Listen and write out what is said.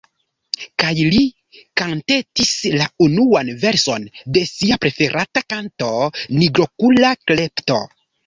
Kaj li kantetis la unuan verson de sia preferata kanto: Nigrokula Klepto.